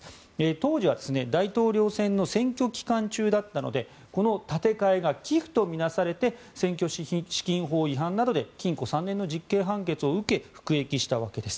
当時は大統領選の選挙期間中だったのでこの立て替えが寄付と見なされて選挙資金法違反などで禁錮３年の実刑判決を受け服役したわけです。